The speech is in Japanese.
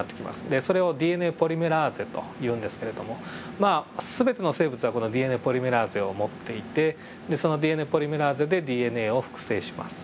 でそれをＤＮＡポリメラーゼというんですけれどもまあ全ての生物はこのＤＮＡポリメラーゼを持っていてそのＤＮＡポリメラーゼでＤＮＡを複製します。